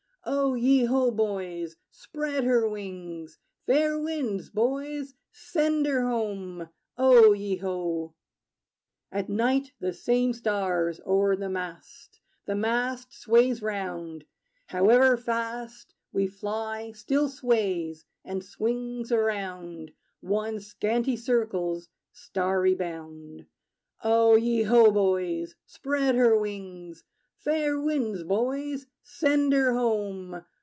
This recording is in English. O ye ho, boys! Spread her wings! Fair winds, boys: send her home! O ye ho! At night, the same stars o'er the mast: The mast sways round however fast We fly still sways and swings around One scanty circle's starry bound. O ye ho, boys! Spread her wings! Fair winds, boys: send her home!